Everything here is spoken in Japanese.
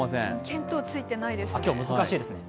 見当ついてないですね。